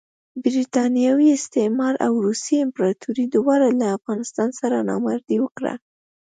برټانوي استعمار او روسي امپراطوري دواړو له افغانستان سره نامردي وکړه.